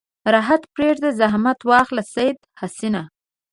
راحت پرېږده زحمت واخله سید حسنه.